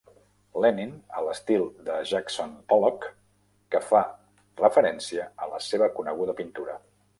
Lenin a l'estil de Jackson Pollock, que fa referència a la seva coneguda pintura.